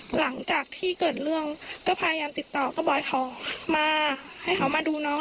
หลังจากที่เกิดเรื่องก็พยายามติดต่อก็บอกเขามาให้เขามาดูน้อง